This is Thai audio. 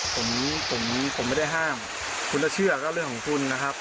ผมผมไม่ได้ห้ามคุณจะเชื่อก็เรื่องของคุณนะครับ